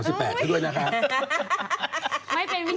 ไม่เป็นวิธีการทางเครียด